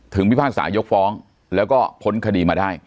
พิพากษายกฟ้องแล้วก็พ้นคดีมาได้